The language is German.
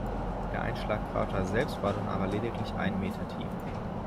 Der Einschlagkrater selbst war dann aber lediglich einen Meter tief.